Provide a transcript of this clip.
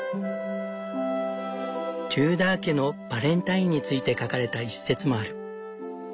テューダー家のバレンタインについて書かれた一節もある。